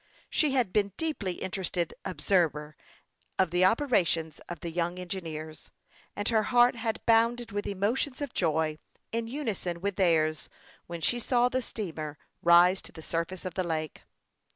She had been a deeply interested observer of the operations of the young engineers, and her heart had bounded with emotions of joy, in unison with theirs, when she saw the steamer rise to the surface of the lake.